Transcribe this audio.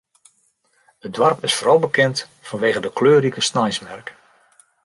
It doarp is foaral bekend fanwege de kleurrike sneinsmerk.